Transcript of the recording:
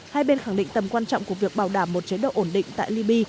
hai bên khẳng định tầm quan trọng của việc bảo đảm một chế độ ổn định tại liby